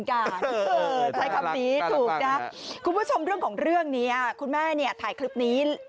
คุณผู้ชมเรื่องของเรื่องนี้คุณแม่ถ่ายคลิปนี้